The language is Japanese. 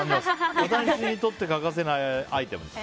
私にとって欠かせないアイテムです。